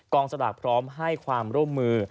สลากพร้อมให้ความร่วมมือ